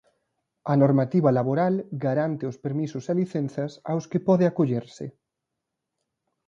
A normativa laboral garante os permisos e licenzas aos que pode acollerse.